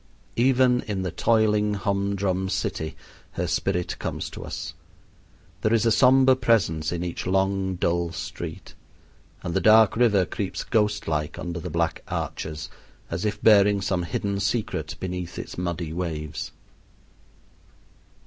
Even in the toiling hum drum city her spirit comes to us. There is a somber presence in each long, dull street; and the dark river creeps ghostlike under the black arches, as if bearing some hidden secret beneath its muddy waves.